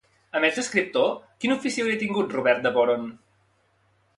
A més d'escriptor, quin ofici hauria tingut Robert de Boron?